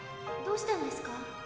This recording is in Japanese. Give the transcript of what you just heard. どうしたんですか？